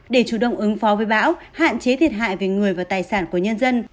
để chủ động ứng phó với bão hạn chế thiệt hại về người và tài sản của nhân dân